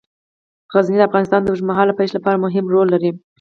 غزني د افغانستان د اوږدمهاله پایښت لپاره مهم رول لري.